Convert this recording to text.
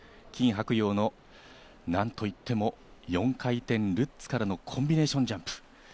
キン・ハクヨウのなんと言っても４回転ルッツからのコンビネーションジャンプ。